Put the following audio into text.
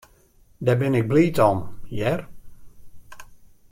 Dêr bin ik bliid om, hear.